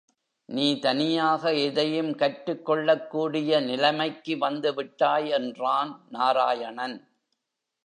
நீ தனியாக எதையும் கற்றுக் கொள்ளக் கூடிய நிலமைக்கு வந்து விட்டாய் என்றான் நாராயணன்.